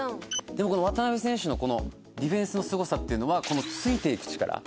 渡邊選手の、このディフェンスのすごさっていうのはこのついていく力。